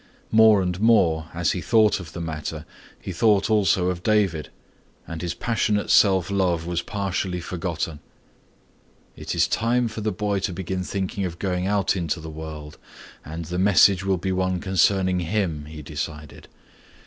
More and more as he thought of the matter, he thought also of David and his passionate self love was partially forgotten. "It is time for the boy to begin thinking of going out into the world and the message will be one concerning him," he decided.